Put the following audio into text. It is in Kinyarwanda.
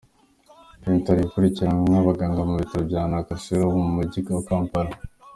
Pinto ari gukurikiranwa n’abaganga mu Bitaro bya Nakasero byo mu Mujyi wa Kampala.